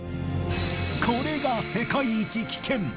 これが世界一危険！